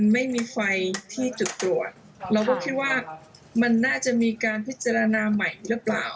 ไม่มีไฟที่จุดตรวจเราก็คิดว่ามันน่าจะมีการพิจารณาใหม่หรือเปล่า